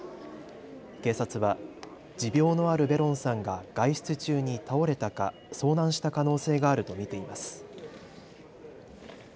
警察は持病のあるベロンさんが外出中に倒れたか、遭難した可能性があると見ています。